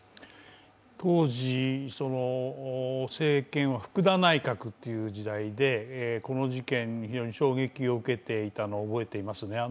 当時、政権は福田内閣の時代で、この事件、非常に衝撃を受けていたのを覚えていますね。